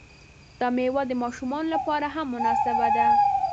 دا میوه د ماشومانو لپاره هم مناسبه ده.